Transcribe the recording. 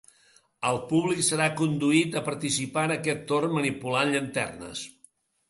El públic serà conduït a participar en aquest torn manipulant llanternes.